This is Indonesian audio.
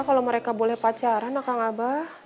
kalau mereka boleh pacaran akan abah